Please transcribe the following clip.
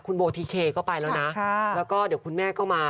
คุณโบทิเคก็ไปแล้วนะแล้วก็เดี๋ยวคุณแม่ก็มา